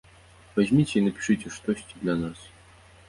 Вазьміце і напішыце штосьці для нас!